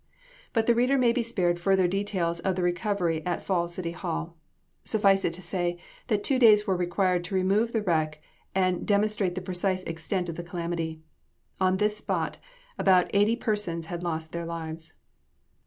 But the reader may be spared further details of the recovery at Falls City Hall. Suffice it to say, that two days were required to remove the wreck and demonstrate the precise extent of the calamity. On this spot, about eighty persons had lost their lives.